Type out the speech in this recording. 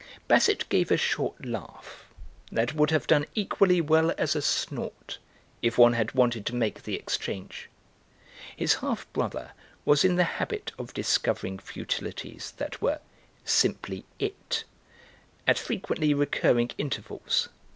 Basset gave a short laugh that would have done equally well as a snort, if one had wanted to make the exchange. His half brother was in the habit of discovering futilities that were "simply It" at frequently recurring intervals.